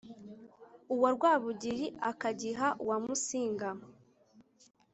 uwa rwábugiri akagiha uwa músinga